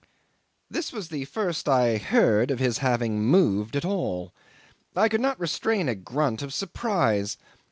'This was the first I heard of his having moved at all. I could not restrain a grunt of surprise.